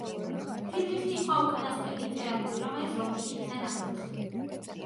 ფრიდრიხი იყო უკანასკნელი იმპერატორი, რომელიც რომში იქნა ნაკურთხი.